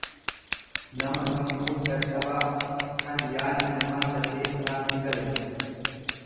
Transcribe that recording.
nama sammuun dadhabaa, kan yaanni namaa dafee isaa hingalle.